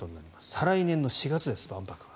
再来年の４月です、万博は。